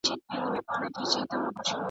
طبیعت ته سفر ارامي ورکوي.